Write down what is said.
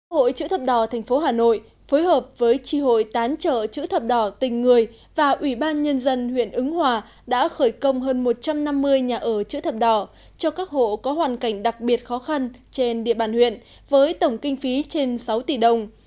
hội chữ thập đỏ tp hà nội phối hợp với tri hội tán trợ chữ thập đỏ tình người và ủy ban nhân dân huyện ứng hòa đã khởi công hơn một trăm năm mươi nhà ở chữ thập đỏ cho các hộ có hoàn cảnh đặc biệt khó khăn trên địa bàn huyện với tổng kinh phí trên sáu tỷ đồng